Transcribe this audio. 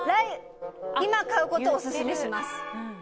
今買うことをオススメします。